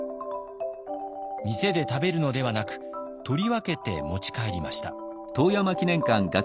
店で食べるのではなく取り分けて持ち帰りました。